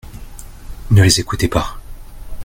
Ne les écoutez pas.